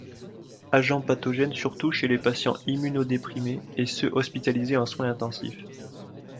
Agent pathogène surtout chez les patients immunodéprimés et ceux hospitalisés en soins intensifs.